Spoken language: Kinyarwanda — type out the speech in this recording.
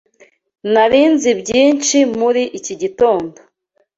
Narizoe byinshi muri iki gitondo